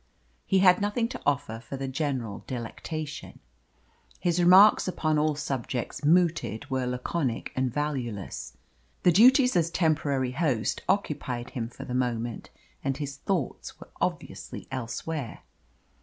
He had nothing to offer for the general delectation. His remarks upon all subjects mooted were laconic and valueless. The duties as temporary host occupied him for the moment, and his thoughts were obviously elsewhere.